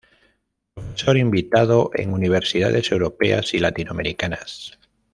Profesor invitado en universidades europeas y latinoamericanas.